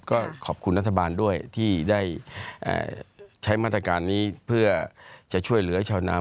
ก็ขอบคุณรัฐบาลด้วยที่ได้ใช้มาตรการนี้เพื่อจะช่วยเหลือชาวนาม